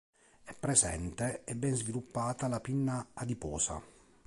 È presente e ben sviluppata la pinna adiposa.